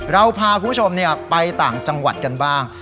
เราพาคุณผู้ชมไปต่างจังหวัดกันบ้าง